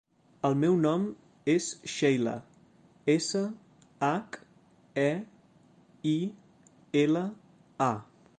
El meu nom és Sheila: essa, hac, e, i, ela, a.